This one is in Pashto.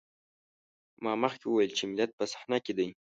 ما مخکې وويل چې ملت په صحنه کې دی.